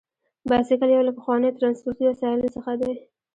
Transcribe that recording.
بایسکل یو له پخوانیو ترانسپورتي وسایلو څخه دی.